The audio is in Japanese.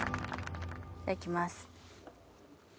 いただきます。